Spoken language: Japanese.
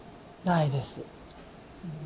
ないです